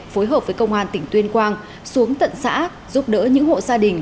phối hợp với công an tỉnh tuyên quang xuống tận xã giúp đỡ những hộ gia đình